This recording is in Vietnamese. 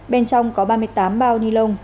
bên trong có ba mươi tám bao ni lông